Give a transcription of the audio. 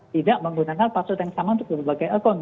tidak menggunakan password yang sama untuk berbagai akun